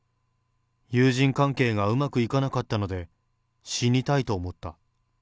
友人関係がうまくいかなかったので、死にたいと思った。